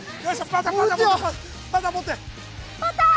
パター！